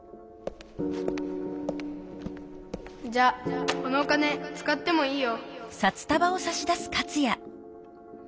じゃあこのお金つかってもいいよ。